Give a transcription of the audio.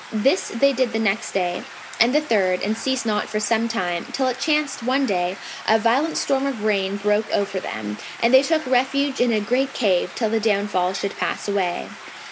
This they did on the next day and the third and ceased not for some time, till it chanced one day, a violent storm of rain broke over them, and they took refuge in a great cave till the downfall should pass away.